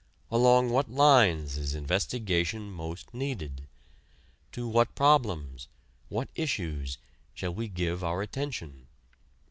Along what lines is investigation most needed? To what problems, what issues, shall we give our attention?